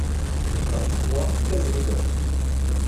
Un fumoir très élégant.